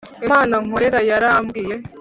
imana nkorera yarambwiye